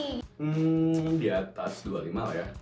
hmm diatas dua puluh lima lah ya